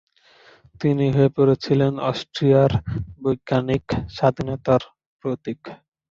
তিনি হয়ে পড়েছিলেন অস্ট্রিয়ার বৈজ্ঞানিক স্বাধীনতার প্রতীক।